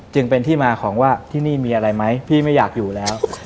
จึงเป็นที่มาของว่าที่นี่มีอะไรไหมพี่ไม่อยากอยู่แล้ว